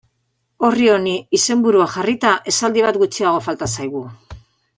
Orri honi izenburua jarrita, esaldi bat gutxiago falta zaigu.